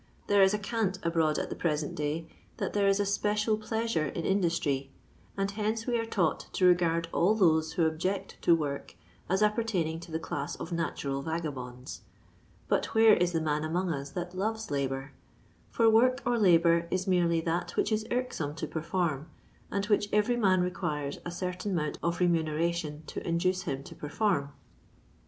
There is a cant abroad at the present day, that there is a special pleasure in industry, and hence we are taught to regard all those who object to work as apper taining to the claas of natural vagabonds; but where is the roan among us that loves labour 1 for work or labour is merely that which is irk some to perform, and which every man requires a certain amount of remuneration to induce him to perform.